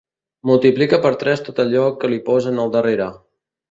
Multiplica per tres tot allò que li posen al darrere.